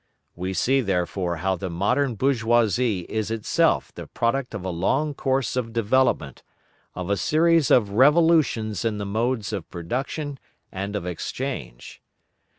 We see, therefore, how the modern bourgeoisie is itself the product of a long course of development, of a series of revolutions in the modes of production and of exchange.